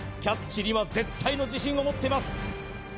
キャッチには絶対の自信を持っています